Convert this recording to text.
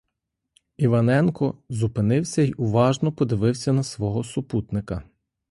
Іваненко зупинився й уважно подивився на свого супутника.